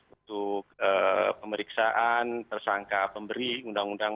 untuk pemeriksaan tersangka pemberi undang undang